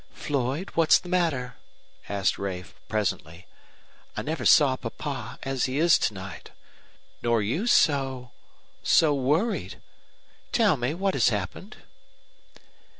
"Floyd, what's the matter?" asked Ray, presently. "I never saw papa as he is to night, nor you so so worried. Tell me, what has happened?"